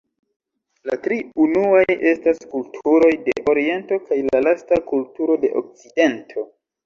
La tri unuaj estas kulturoj de Oriento kaj la lasta kulturo de Okcidento.